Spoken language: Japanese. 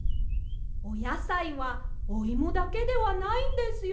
おやさいはおイモだけではないんですよ。